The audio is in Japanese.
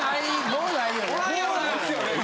もうないですよ。